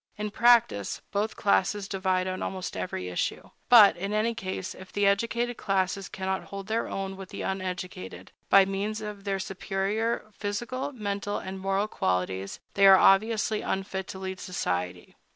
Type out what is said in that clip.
In practice, both classes divide on almost every issue. But, in any case, if the educated classes cannot hold their own with the uneducated, by means of their superior physical, mental, and moral qualities, they are obviously unfit to lead society.